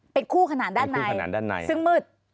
เป็นคู่ขนาดด้านในซึ่งมืด